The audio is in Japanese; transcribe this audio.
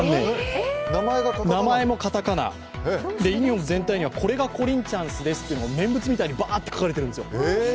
名前もカタカナ、ユニフォーム全体には、これがコリンチャンスですと念仏みたいにバーッて書かれてるんですよ。